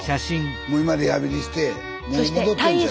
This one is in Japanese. もう今リハビリしてもう戻ってんちゃう？